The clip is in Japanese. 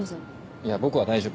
いや僕は大丈夫。